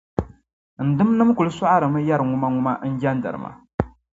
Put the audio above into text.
N dimnim’ kul sɔɣirimi yɛri ŋumaŋuma n-jɛndiri ma.